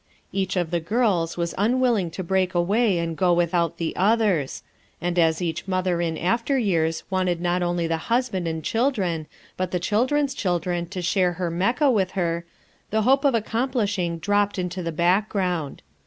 Each of the girls was unwilling to break away and go with out the others; and as each mother in after years wanted not only the husband and children, but the children's children to share her Mecca with her, the hope of accomplishing dropped into the background.